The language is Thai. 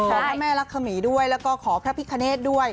พระแม่รักษมีด้วยแล้วก็ขอพระพิคเนธด้วย